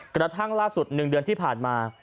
กระทั่งล่าสุด๑เดือนที่ผ่านมา